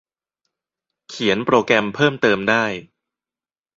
เขียนโปรแกรมเพิ่มเติมได้